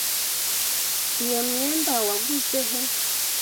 Iyo myenda waguze he?